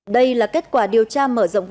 đây là kết quả điều tra mở rộng vụ